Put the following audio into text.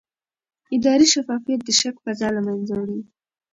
اداري شفافیت د شک فضا له منځه وړي